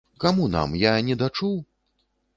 Каму нам, я недачуў?